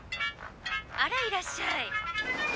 あらいらっしゃい。